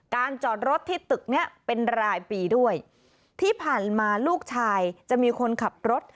จอดรถที่ตึกเนี้ยเป็นรายปีด้วยที่ผ่านมาลูกชายจะมีคนขับรถ